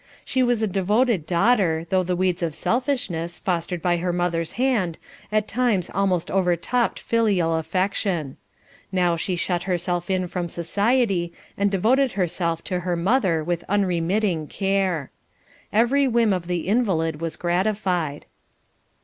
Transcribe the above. She was a devoted daughter, though the weeds of selfishness, fostered by the mother's hand, at times almost overtopped filial affection. Now she shut herself in from society and devoted herself to her mother with unremitting care. Every whim of the invalid was gratified.